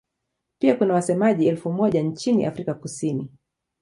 Pia kuna wasemaji elfu moja nchini Afrika Kusini.